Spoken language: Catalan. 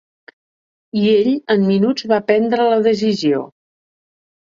I ell en minuts va prendre la decisió.